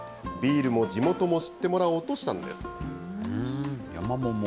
ビールも地元も知ってもらおうとしたのです。